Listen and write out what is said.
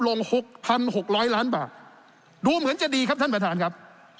ลดลง๖๖๐๐ล้านบาทดูเหมือนจะดีครับท่านผู้ประธานครับ